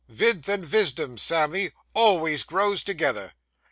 Vidth and visdom, Sammy, alvays grows together.